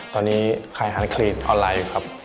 ตอนนี้ขายอาหารคลีนออนไลน์ครับ